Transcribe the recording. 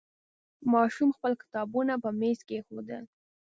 ماشوم خپل کتابونه په میز کېښودل.